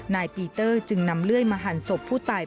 นายปีเตอร์จึงนำเลื่อยมาหั่นศพผู้ตาย